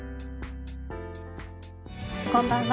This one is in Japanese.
こんばんは。